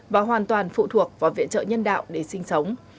và hoàn toàn phụ thuộc vào viện trợ nhân đạo để sinh sống